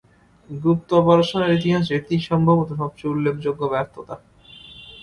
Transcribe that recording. গুপ্ত অপারেশনের ইতিহাসে এটিই সম্ভবত সবচেয়ে উল্লেখযোগ্য ব্যর্থতা।